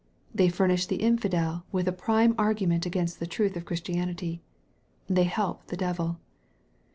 They furnish the infidel with a prime argument against the truth of Christianity. They help the devil.